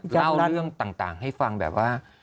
เล่าเรื่องต่างให้ฟังแบบว่า